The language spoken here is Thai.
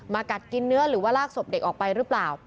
กัดกินเนื้อหรือว่าลากศพเด็กออกไปหรือเปล่า